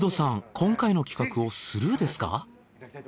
今回の企画をスルーですか？